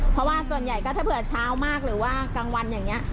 เพราะว่าส่วนใหญ่ก็ถ้าเผื่อเช้ามากหรือว่ากลางวันอย่างนี้